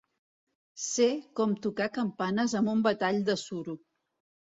Ser com tocar campanes amb un batall de suro.